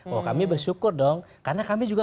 bahwa kami bersyukur dong karena kami juga